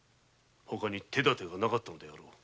ほかに手段がなかったのであろう。